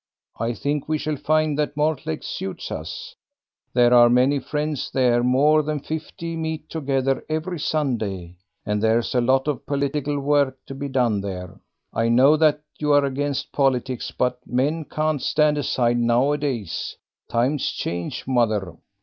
I think we shall find that Mortlake suits us. There are many friends there; more than fifty meet together every Sunday. And there's a lot of political work to be done there. I know that you're against politics, but men can't stand aside nowadays. Times change, mother."